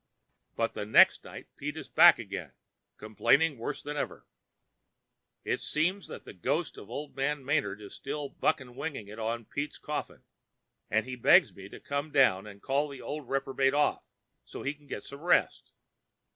But the next night Pete is back again, complaining worse than ever. It seems the ghost of old man Manard is still buck and winging on Pete's coffin, and he begs me to come down and call the old reprobate off so that he can get some rest.